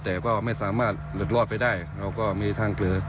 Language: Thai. แต่ก็ไม่สามารถหลุดรอดไปได้เราก็มีทางเกลือ